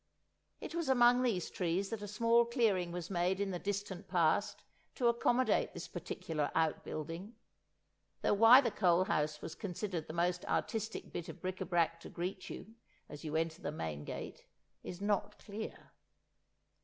It was among these trees that a small clearing was made in the distant past to accommodate this particular out building; though why the coal house was considered the most artistic bit of bric à brac to greet you as you enter the main gate is not clear.